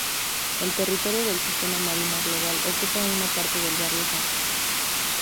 El territorio del sistema Marino global ocupa una parte del Barrio San Roque.